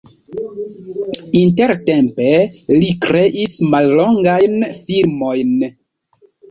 Intertempe li kreis mallongajn filmojn.